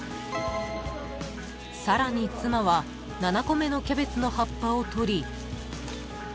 ［さらに妻は７個目のキャベツの葉っぱを取り］